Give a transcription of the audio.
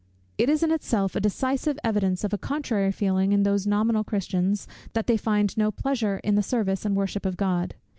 It is in itself a decisive evidence of a contrary feeling in those nominal Christians, that they find no pleasure in the service and worship of God.